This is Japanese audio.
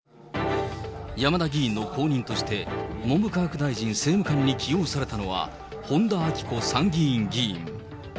山田議員の後任として、文部科学大臣政務官に起用されたのは、本田顕子参議院議員。